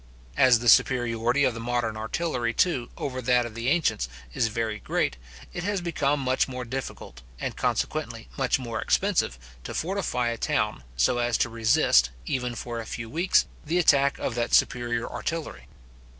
As the superiority of the modern artillery, too, over that of the ancients, is very great; it has become much more difficult, and consequently much more expensive, to fortify a town, so as to resist, even for a few weeks, the attack of that superior artillery.